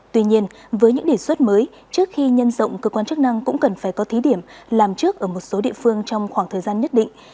tuy nhiên với những đề xuất mới trước khi nhân rộng cơ quan chức năng cũng cần phải có thí điểm làm trước ở một số địa phương trong khoảng thời gian nhất định